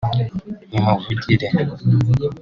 mu mivugire